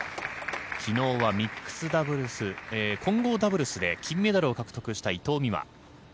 昨日はミックスダブルス・混合ダブルスで金メダルを獲得した伊藤美誠。